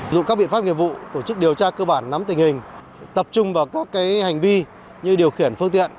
dùng các biện pháp nghiệp vụ tổ chức điều tra cơ bản nắm tình hình tập trung vào các hành vi như điều khiển phương tiện